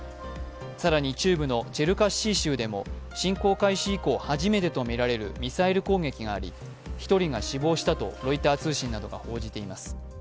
更に中部のチェルカッシー州でも侵攻開始以降初めてとみられるミサイル攻撃があり、１人が死亡したとロイター通信などが報じています。